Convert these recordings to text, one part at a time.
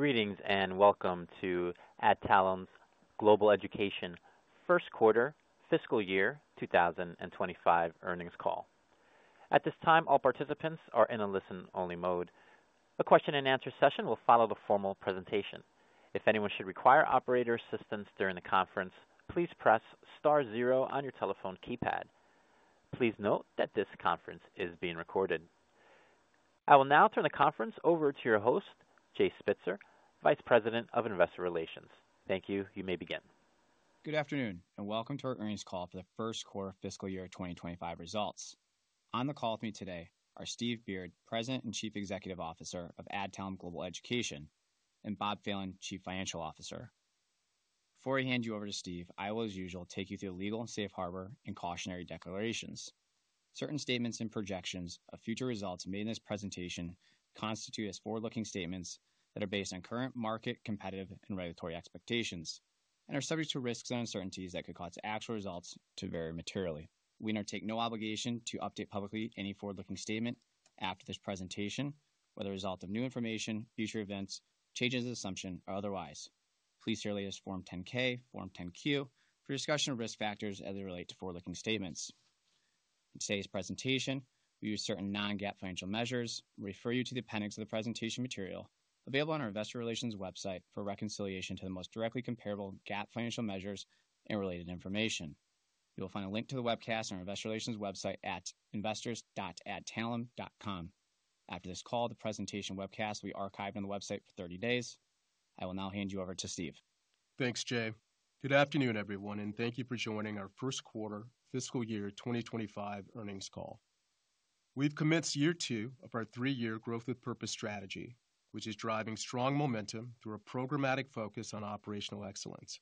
Greetings, and welcome to Adtalem's Global Education First Quarter Fiscal Year 2025 Earnings Call. At this time, all participants are in a listen-only mode. The question-and-answer session will follow the formal presentation. If anyone should require operator assistance during the conference, please press star zero on your telephone keypad. Please note that this conference is being recorded. I will now turn the conference over to your host, Jay Spitzer, Vice President of Investor Relations. Thank you. You may begin. Good afternoon and welcome to our Earnings Call for the First Quarter Fiscal Year 2025 Results. On the call with me today are Steve Beard, President and Chief Executive Officer of Adtalem Global Education, and Bob Phelan, Chief Financial Officer. Before I hand you over to Steve, I will, as usual, take you through legal and safe harbor and cautionary declarations. Certain statements and projections of future results made in this presentation constitute as forward-looking statements that are based on current market competitive and regulatory expectations and are subject to risks and uncertainties that could cause actual results to vary materially. We undertake no obligation to update publicly any forward-looking statement after this presentation or the result of new information, future events, changes in assumption, or otherwise. Please see our latest Form 10-K, Form 10-Q for discussion of risk factors as they relate to forward-looking statements. Today's presentation will use certain non-GAAP financial measures and refer you to the appendix of the presentation material available on our Investor Relations website for reconciliation to the most directly comparable GAAP financial measures and related information. You will find a link to the webcast on our Investor Relations website at investors.adtalem.com. After this call, the presentation webcast will be archived on the website for 30 days. I will now hand you over to Steve. Thanks, Jay. Good afternoon, everyone, and thank you for joining our First Quarter Fiscal Year 2025 Earnings Call. We've commenced year two of our three-year Growth with Purpose strategy, which is driving strong momentum through a programmatic focus on operational excellence.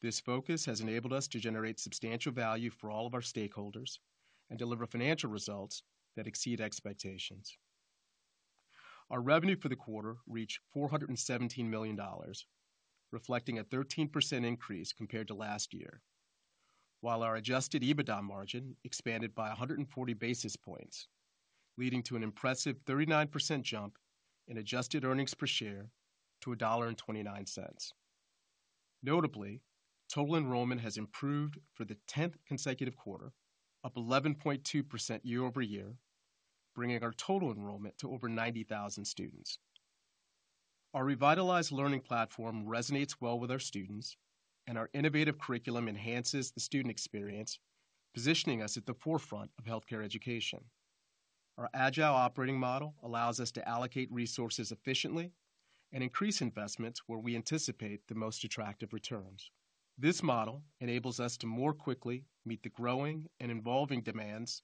This focus has enabled us to generate substantial value for all of our stakeholders and deliver financial results that exceed expectations. Our revenue for the quarter reached $417 million, reflecting a 13% increase compared to last year, while our Adjusted EBITDA margin expanded by 140 basis points, leading to an impressive 39% jump in Adjusted Earnings Per Share to $1.29. Notably, total enrollment has improved for the 10th consecutive quarter, up 11.2% year-over-year, bringing our total enrollment to over 90,000 students. Our revitalized learning platform resonates well with our students, and our innovative curriculum enhances the student experience, positioning us at the forefront of healthcare education. Our agile operating model allows us to allocate resources efficiently and increase investments where we anticipate the most attractive returns. This model enables us to more quickly meet the growing and evolving demands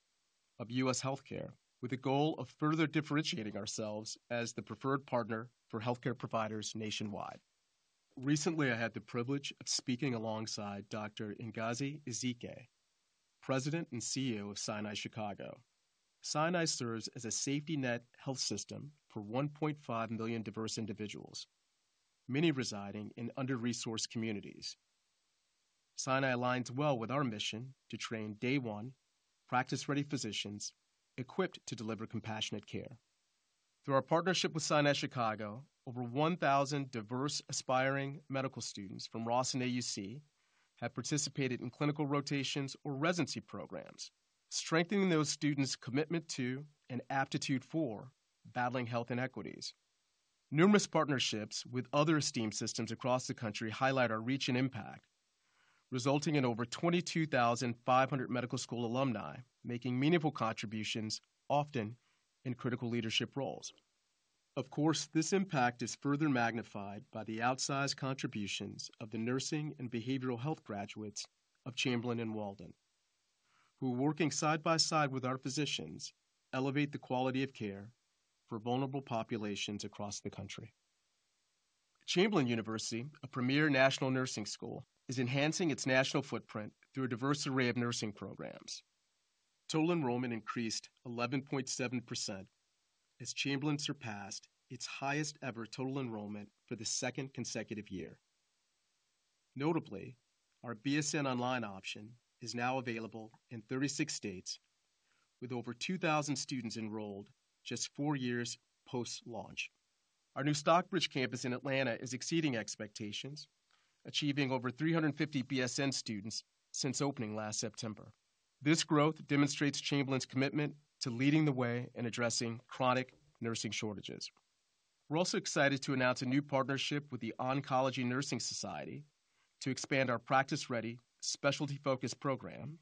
of U.S. healthcare, with the goal of further differentiating ourselves as the preferred partner for healthcare providers nationwide. Recently, I had the privilege of speaking alongside Dr. Ngozi Ezike, President and CEO of Sinai Chicago. Sinai serves as a safety net health system for 1.5 million diverse individuals, many residing in under-resourced communities. Sinai aligns well with our mission to train day-one, practice-ready physicians equipped to deliver compassionate care. Through our partnership with Sinai Chicago, over 1,000 diverse aspiring medical students from Ross and AUC have participated in clinical rotations or residency programs, strengthening those students' commitment to and aptitude for battling health inequities. Numerous partnerships with other esteemed systems across the country highlight our reach and impact, resulting in over 22,500 medical school alumni making meaningful contributions, often in critical leadership roles. Of course, this impact is further magnified by the outsized contributions of the nursing and behavioral health graduates of Chamberlain and Walden, who, working side by side with our physicians, elevate the quality of care for vulnerable populations across the country. Chamberlain University, a premier national nursing school, is enhancing its national footprint through a diverse array of nursing programs. Total enrollment increased 11.7% as Chamberlain surpassed its highest-ever total enrollment for the second consecutive year. Notably, our BSN online option is now available in 36 states, with over 2,000 students enrolled just four years post-launch. Our new Stockbridge campus in Atlanta is exceeding expectations, achieving over 350 BSN students since opening last September. This growth demonstrates Chamberlain's commitment to leading the way in addressing chronic nursing shortages. We're also excited to announce a new partnership with the Oncology Nursing Society to expand our practice-ready, specialty-focused program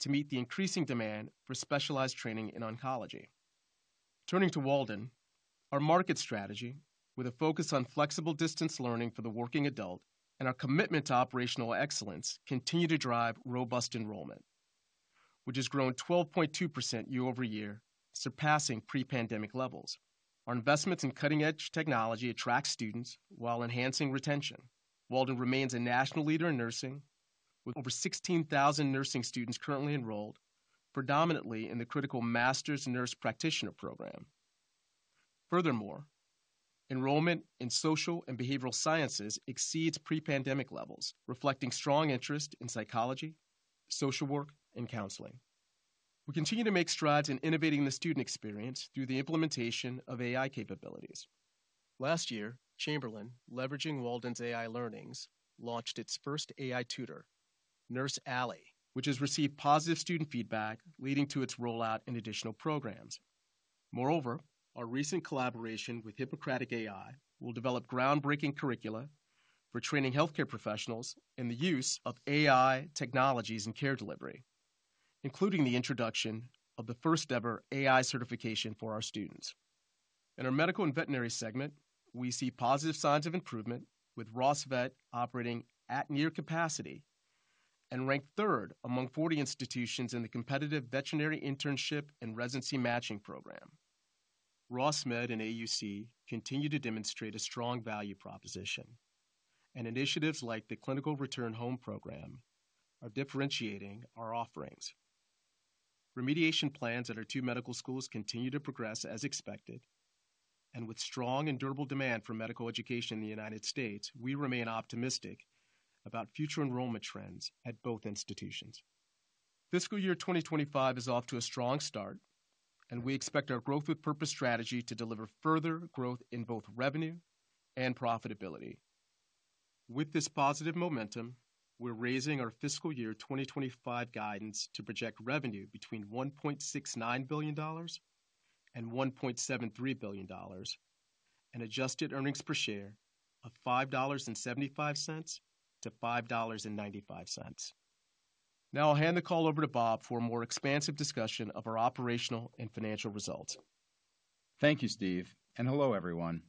to meet the increasing demand for specialized training in oncology. Turning to Walden, our market strategy, with a focus on flexible distance learning for the working adult and our commitment to operational excellence, continue to drive robust enrollment, which has grown 12.2% year-over-year, surpassing pre-pandemic levels. Our investments in cutting-edge technology attract students while enhancing retention. Walden remains a national leader in nursing, with over 16,000 nursing students currently enrolled, predominantly in the critical Master's Nurse Practitioner program. Furthermore, enrollment in social and behavioral sciences exceeds pre-pandemic levels, reflecting strong interest in psychology, social work, and counseling. We continue to make strides in innovating the student experience through the implementation of AI capabilities. Last year, Chamberlain, leveraging Walden's AI learnings, launched its first AI tutor, Nurse Allie, which has received positive student feedback, leading to its rollout in additional programs. Moreover, our recent collaboration with Hippocratic AI will develop groundbreaking curricula for training healthcare professionals in the use of AI technologies in care delivery, including the introduction of the first-ever AI certification for our students. In our Medical and Veterinary segment, we see positive signs of improvement, with Ross Vet operating at near capacity and ranked third among 40 institutions in the competitive veterinary internship and residency matching program. Ross Med and AUC continue to demonstrate a strong value proposition, and initiatives like the clinical return home program are differentiating our offerings. Remediation plans at our two medical schools continue to progress as expected, and with strong and durable demand for medical education in the United States, we remain optimistic about future enrollment trends at both institutions. Fiscal year 2025 is off to a strong start, and we expect our Growth with Purpose strategy to deliver further growth in both revenue and profitability. With this positive momentum, we're raising our fiscal year 2025 guidance to project revenue between $1.69 billion and $1.73 billion, and Adjusted Earnings Per Share of $5.75-$5.95. Now I'll hand the call over to Bob for a more expansive discussion of our operational and financial results. Thank you, Steve, and hello, everyone.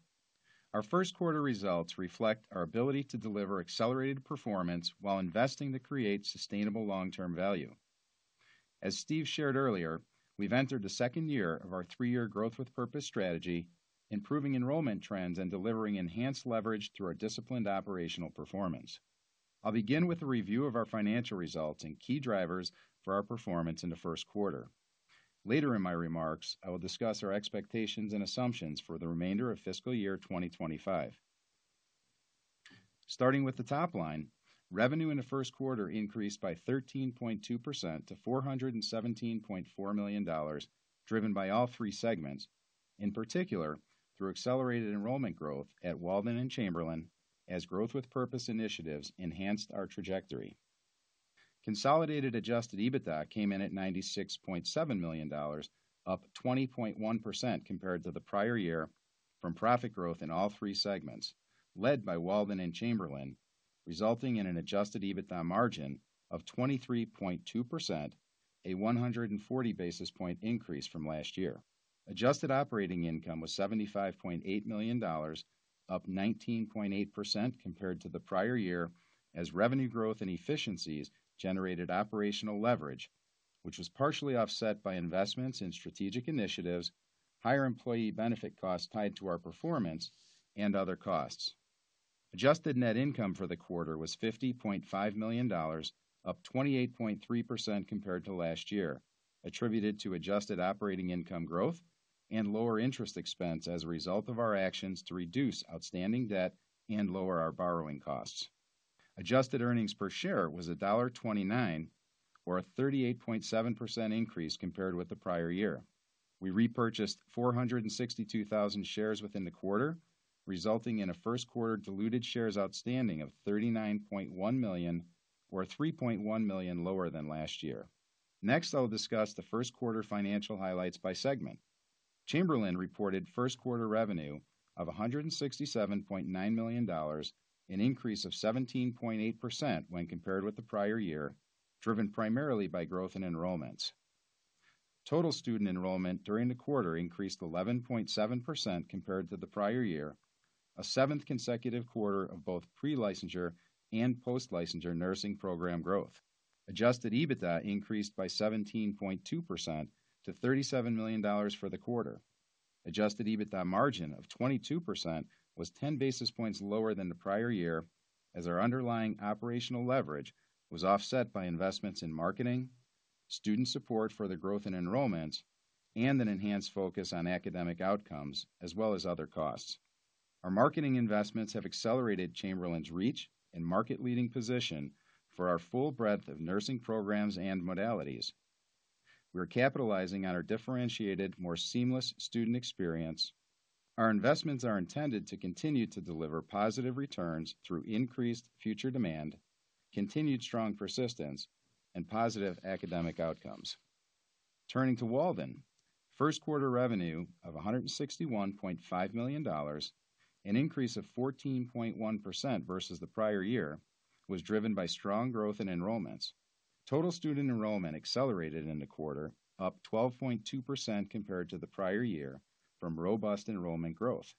Our first quarter results reflect our ability to deliver accelerated performance while investing to create sustainable long-term value. As Steve shared earlier, we've entered the second year of our three-year Growth with Purpose strategy, improving enrollment trends and delivering enhanced leverage through our disciplined operational performance. I'll begin with a review of our financial results and key drivers for our performance in the first quarter. Later in my remarks, I will discuss our expectations and assumptions for the remainder of fiscal year 2025. Starting with the top line, revenue in the first quarter increased by 13.2% to $417.4 million, driven by all three segments, in particular through accelerated enrollment growth at Walden and Chamberlain as Growth with Purpose initiatives enhanced our trajectory. Consolidated Adjusted EBITDA came in at $96.7 million, up 20.1% compared to the prior year from profit growth in all three segments, led by Walden and Chamberlain, resulting in an Adjusted EBITDA margin of 23.2%, a 140 basis points increase from last year. Adjusted operating income was $75.8 million, up 19.8% compared to the prior year as revenue growth and efficiencies generated operational leverage, which was partially offset by investments in strategic initiatives, higher employee benefit costs tied to our performance, and other costs. Adjusted net income for the quarter was $50.5 million, up 28.3% compared to last year, attributed to adjusted operating income growth and lower interest expense as a result of our actions to reduce outstanding debt and lower our borrowing costs. Adjusted Earnings Per Share was $1.29, or a 38.7% increase compared with the prior year. We repurchased 462,000 shares within the quarter, resulting in a first quarter diluted shares outstanding of 39.1 million, or 3.1 million lower than last year. Next, I'll discuss the first quarter financial highlights by segment. Chamberlain reported first quarter revenue of $167.9 million, an increase of 17.8% when compared with the prior year, driven primarily by growth in enrollments. Total student enrollment during the quarter increased 11.7% compared to the prior year, a seventh consecutive quarter of both pre-licensure and post-licensure nursing program growth. Adjusted EBITDA increased by 17.2% to $37 million for the quarter. Adjusted EBITDA margin of 22% was 10 basis points lower than the prior year as our underlying operational leverage was offset by investments in marketing, student support for the growth in enrollments, and an enhanced focus on academic outcomes as well as other costs. Our marketing investments have accelerated Chamberlain's reach and market-leading position for our full breadth of nursing programs and modalities. We are capitalizing on our differentiated, more seamless student experience. Our investments are intended to continue to deliver positive returns through increased future demand, continued strong persistence, and positive academic outcomes. Turning to Walden, first quarter revenue of $161.5 million, an increase of 14.1% versus the prior year, was driven by strong growth in enrollments. Total student enrollment accelerated in the quarter, up 12.2% compared to the prior year from robust enrollment growth,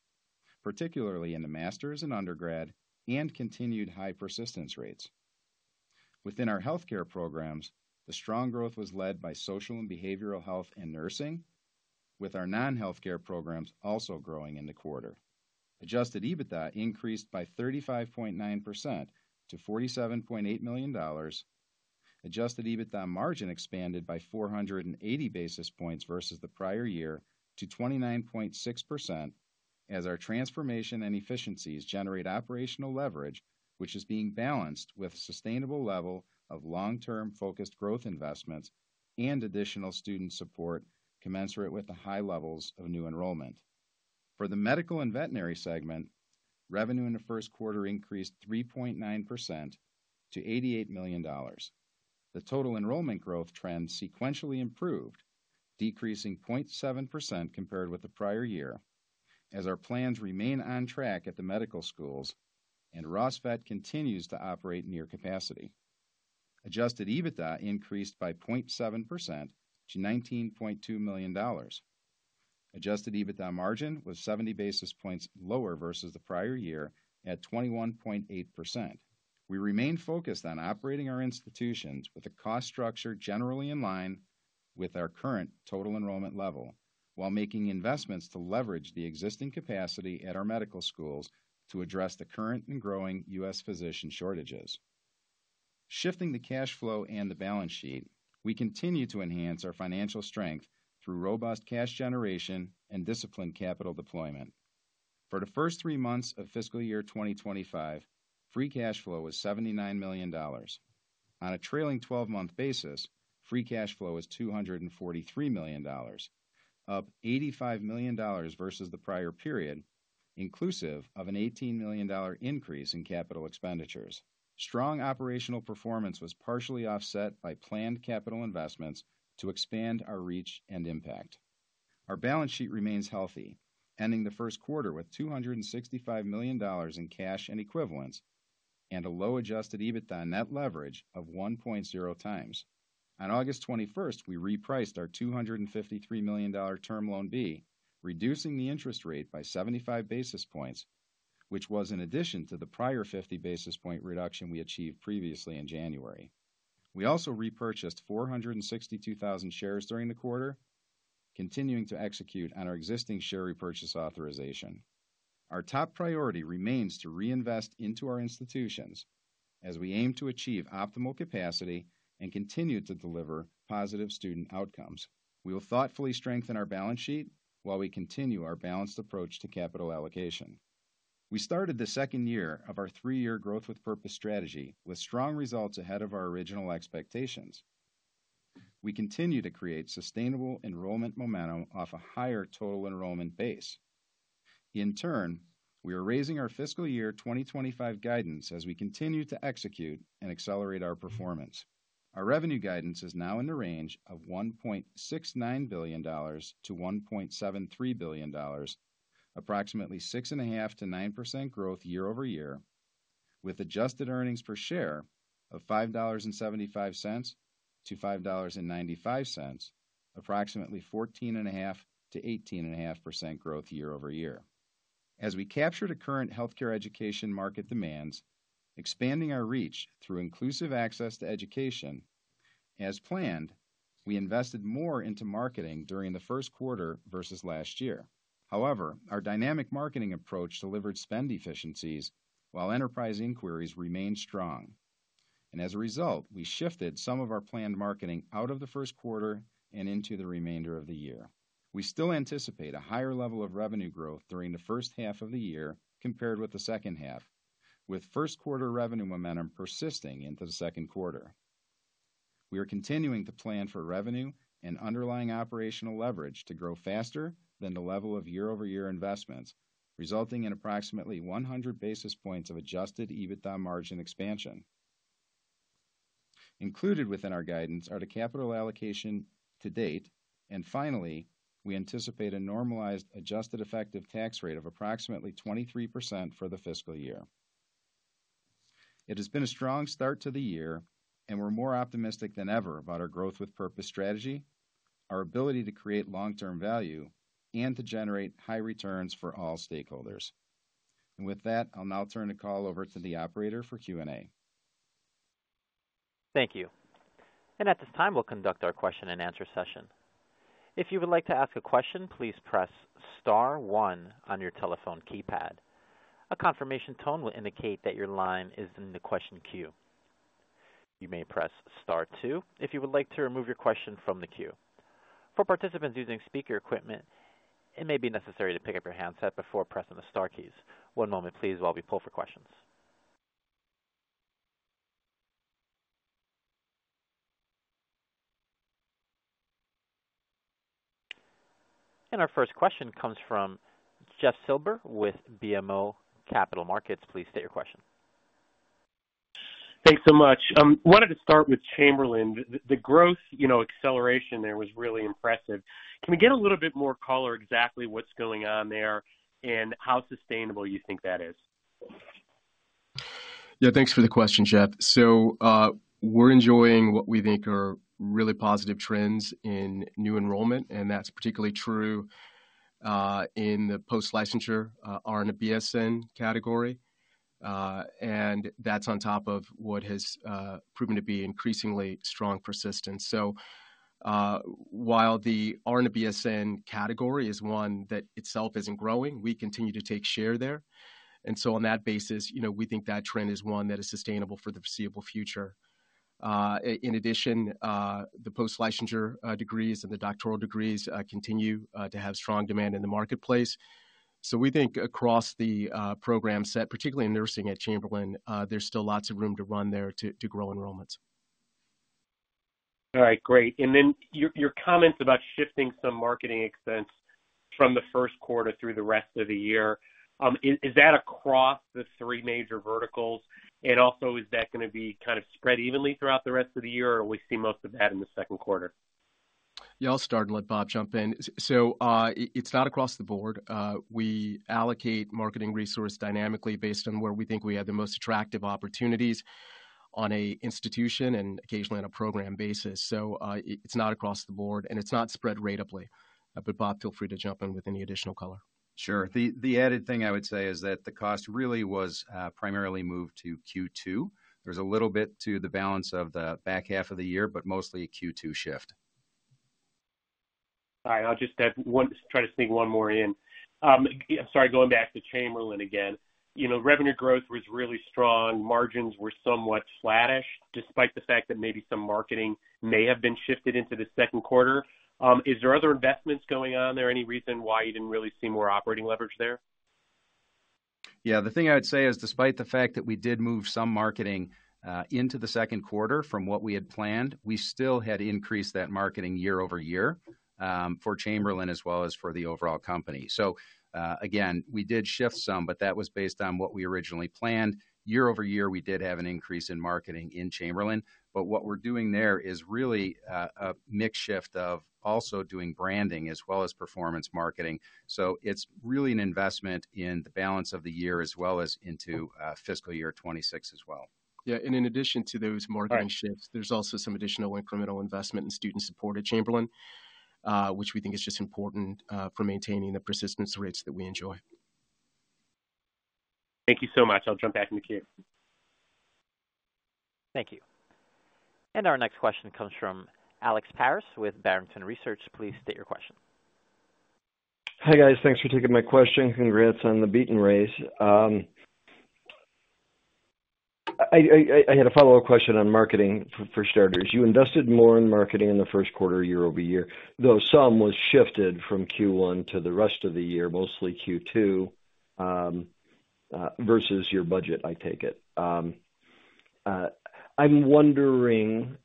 particularly in the master's and undergrad, and continued high persistence rates. Within our healthcare programs, the strong growth was led by social and behavioral health and nursing, with our non-healthcare programs also growing in the quarter. Adjusted EBITDA increased by 35.9% to $47.8 million. Adjusted EBITDA margin expanded by 480 basis points versus the prior year to 29.6% as our transformation and efficiencies generate operational leverage, which is being balanced with a sustainable level of long-term focused growth investments and additional student support commensurate with the high levels of new enrollment. For the medical and veterinary segment, revenue in the first quarter increased 3.9% to $88 million. The total enrollment growth trend sequentially improved, decreasing 0.7% compared with the prior year as our plans remain on track at the medical schools and Ross Vet continues to operate near capacity. Adjusted EBITDA increased by 0.7% to $19.2 million. Adjusted EBITDA margin was 70 basis points lower versus the prior year at 21.8%. We remain focused on operating our institutions with a cost structure generally in line with our current total enrollment level while making investments to leverage the existing capacity at our medical schools to address the current and growing U.S. physician shortages. Shifting the cash flow and the balance sheet, we continue to enhance our financial strength through robust cash generation and disciplined capital deployment. For the first three months of fiscal year 2025, free cash flow was $79 million. On a trailing 12-month basis, free cash flow was $243 million, up $85 million versus the prior period, inclusive of an $18 million increase in capital expenditures. Strong operational performance was partially offset by planned capital investments to expand our reach and impact. Our balance sheet remains healthy, ending the first quarter with $265 million in cash and equivalents and a low Adjusted EBITDA net leverage of 1.0 times. On August 21st, we repriced our $253 million Term Loan B, reducing the interest rate by 75 basis points, which was in addition to the prior 50 basis point reduction we achieved previously in January. We also repurchased 462,000 shares during the quarter, continuing to execute on our existing share repurchase authorization. Our top priority remains to reinvest into our institutions as we aim to achieve optimal capacity and continue to deliver positive student outcomes. We will thoughtfully strengthen our balance sheet while we continue our balanced approach to capital allocation. We started the second year of our three-year Growth with Purpose strategy with strong results ahead of our original expectations. We continue to create sustainable enrollment momentum off a higher total enrollment base. In turn, we are raising our fiscal year 2025 guidance as we continue to execute and accelerate our performance. Our revenue guidance is now in the range of $1.69 billion-$1.73 billion, approximately 6.5%-9% growth year-over-year, with Adjusted Earnings Per Share of $5.75-$5.95, approximately 14.5%-18.5% growth year-over-year. As we captured the current healthcare education market demands, expanding our reach through inclusive access to education. As planned, we invested more into marketing during the first quarter versus last year. However, our dynamic marketing approach delivered spend efficiencies while enterprise inquiries remained strong. And as a result, we shifted some of our planned marketing out of the first quarter and into the remainder of the year. We still anticipate a higher level of revenue growth during the first half of the year compared with the second half, with first quarter revenue momentum persisting into the second quarter. We are continuing to plan for revenue and underlying operational leverage to grow faster than the level of year-over-year investments, resulting in approximately 100 basis points of Adjusted EBITDA margin expansion. Included within our guidance are the capital allocation to date, and finally, we anticipate a normalized Adjusted Effective Tax Rate of approximately 23% for the fiscal year. It has been a strong start to the year, and we're more optimistic than ever about our Growth with Purpose strategy, our ability to create long-term value, and to generate high returns for all stakeholders, and with that, I'll now turn the call over to the operator for Q&A. Thank you. And at this time, we'll conduct our question-and-answer session. If you would like to ask a question, please press star one on your telephone keypad. A confirmation tone will indicate that your line is in the question queue. You may press star two if you would like to remove your question from the queue. For participants using speaker equipment, it may be necessary to pick up your handset before pressing the star keys. One moment, please, while we pull for questions. And our first question comes from Jeff Silber with BMO Capital Markets. Please state your question. Thanks so much. I wanted to start with Chamberlain. The growth acceleration there was really impressive. Can we get a little bit more color exactly what's going on there and how sustainable you think that is? Yeah, thanks for the question, Jeff. So we're enjoying what we think are really positive trends in new enrollment, and that's particularly true in the post-licensure RN to BSN category. And that's on top of what has proven to be increasingly strong persistence. So while the RN to BSN category is one that itself isn't growing, we continue to take share there. And so on that basis, we think that trend is one that is sustainable for the foreseeable future. In addition, the post-licensure degrees and the doctoral degrees continue to have strong demand in the marketplace. So we think across the program set, particularly in nursing at Chamberlain, there's still lots of room to run there to grow enrollments. All right, great. And then your comments about shifting some marketing expense from the first quarter through the rest of the year, is that across the three major verticals? And also, is that going to be kind of spread evenly throughout the rest of the year, or will we see most of that in the second quarter? Yeah, I'll start and let Bob jump in. So it's not across the board. We allocate marketing resources dynamically based on where we think we have the most attractive opportunities on an institution and occasionally on a program basis. So it's not across the board, and it's not spread ratably. But Bob, feel free to jump in with any additional color. Sure. The added thing I would say is that the cost really was primarily moved to Q2. There's a little bit to the balance of the back half of the year, but mostly a Q2 shift. All right, I'll just try to sneak one more in. I'm sorry, going back to Chamberlain again. Revenue growth was really strong. Margins were somewhat flatish despite the fact that maybe some marketing may have been shifted into the second quarter. Is there other investments going on there? Any reason why you didn't really see more operating leverage there? Yeah, the thing I would say is despite the fact that we did move some marketing into the second quarter from what we had planned, we still had increased that marketing year-over-year for Chamberlain as well as for the overall company. So again, we did shift some, but that was based on what we originally planned. year-over-year, we did have an increase in marketing in Chamberlain. But what we're doing there is really a mixed shift of also doing branding as well as performance marketing. So it's really an investment in the balance of the year as well as into fiscal year 2026 as well. Yeah, and in addition to those marketing shifts, there's also some additional incremental investment in student support at Chamberlain, which we think is just important for maintaining the persistence rates that we enjoy. Thank you so much. I'll jump back in the queue. Thank you. And our next question comes from Alex Paris with Barrington Research. Please state your question. Hi guys, thanks for taking my question. Congrats on the beat and raise. I had a follow-up question on marketing for starters. You invested more in marketing in the first quarter year-over-year, though some was shifted from Q1 to the rest of the year, mostly Q2 versus your budget, I take it. I'm wondering,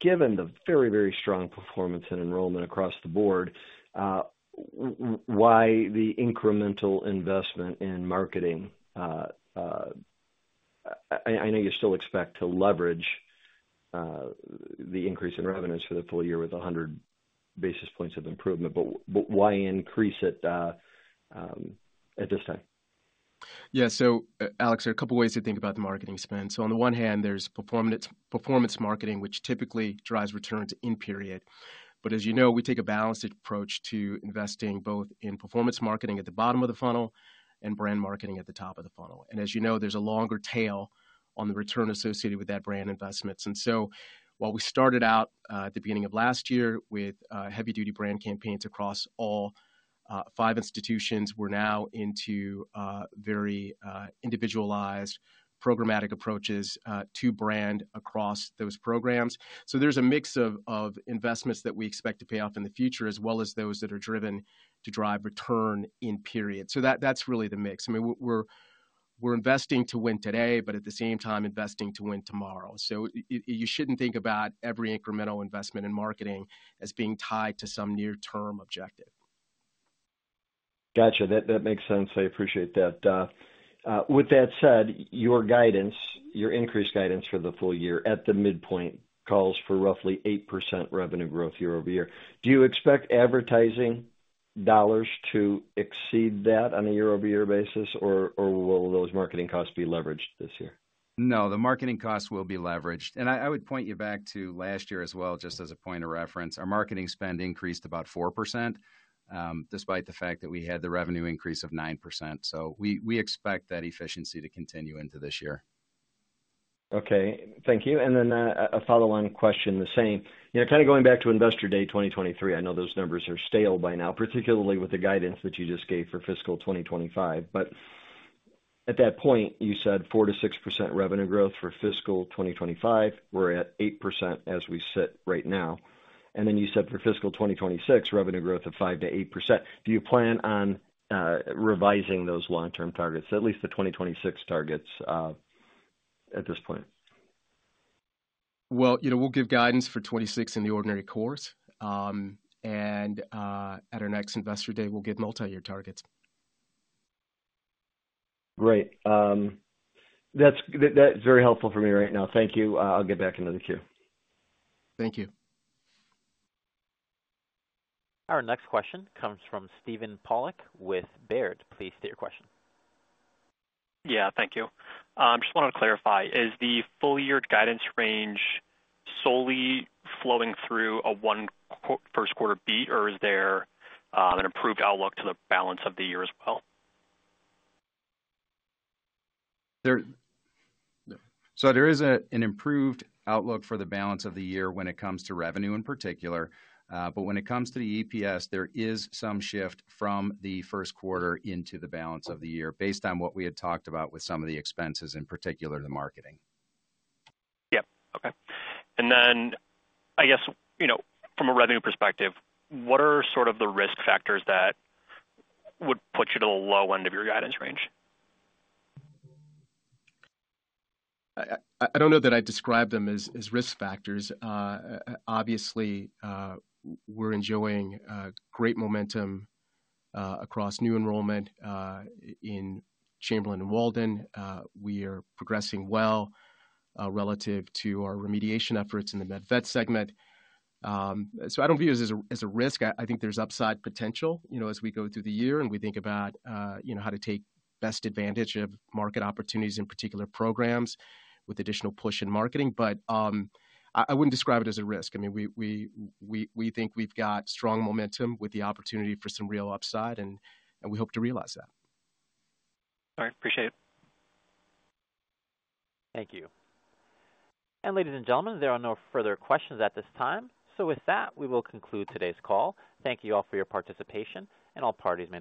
given the very, very strong performance and enrollment across the board, why the incremental investment in marketing? I know you still expect to leverage the increase in revenues for the full year with 100 basis points of improvement, but why increase it at this time? Yeah, so Alex, there are a couple of ways to think about the marketing spend. So on the one hand, there's performance marketing, which typically drives returns in period. But as you know, we take a balanced approach to investing both in performance marketing at the bottom of the funnel and brand marketing at the top of the funnel. And as you know, there's a longer tail on the return associated with that brand investments. And so while we started out at the beginning of last year with heavy-duty brand campaigns across all five institutions, we're now into very individualized programmatic approaches to brand across those programs. So there's a mix of investments that we expect to pay off in the future as well as those that are driven to drive return in period. So that's really the mix. I mean, we're investing to win today, but at the same time, investing to win tomorrow. So you shouldn't think about every incremental investment in marketing as being tied to some near-term objective. Gotcha. That makes sense. I appreciate that. With that said, your guidance, your increased guidance for the full year at the midpoint calls for roughly 8% revenue growth year-over-year. Do you expect advertising dollars to exceed that on a year-over-year basis, or will those marketing costs be leveraged this year? No, the marketing costs will be leveraged, and I would point you back to last year as well, just as a point of reference. Our marketing spend increased about 4% despite the fact that we had the revenue increase of 9%, so we expect that efficiency to continue into this year. Okay, thank you. And then a follow-on question, the same. Kind of going back to Investor Day 2023, I know those numbers are stale by now, particularly with the guidance that you just gave for fiscal 2025. But at that point, you said 4 to 6% revenue growth for fiscal 2025. We're at 8% as we sit right now. And then you said for fiscal 2026, revenue growth of 5 to 8%. Do you plan on revising those long-term targets, at least the 2026 targets at this point? Well, we'll give guidance for 2026 in the ordinary course. And at our next investor day, we'll give multi-year targets. Great. That's very helpful for me right now. Thank you. I'll get back into the queue. Thank you. Our next question comes from Steven Pollock with Baird. Please state your question. Yeah, thank you. I just wanted to clarify, is the full-year guidance range solely flowing through a first-quarter beat, or is there an improved outlook to the balance of the year as well? So there is an improved outlook for the balance of the year when it comes to revenue in particular. But when it comes to the EPS, there is some shift from the first quarter into the balance of the year based on what we had talked about with some of the expenses, in particular the marketing. Yep, okay, and then I guess from a revenue perspective, what are sort of the risk factors that would put you to the low end of your guidance range? I don't know that I'd describe them as risk factors. Obviously, we're enjoying great momentum across new enrollment in Chamberlain and Walden. We are progressing well relative to our remediation efforts in the med-ed segment. So I don't view it as a risk. I think there's upside potential as we go through the year and we think about how to take best advantage of market opportunities in particular programs with additional push in marketing. But I wouldn't describe it as a risk. I mean, we think we've got strong momentum with the opportunity for some real upside, and we hope to realize that. All right, appreciate it. Thank you, and ladies and gentlemen, there are no further questions at this time, so with that, we will conclude today's call. Thank you all for your participation and all parties in.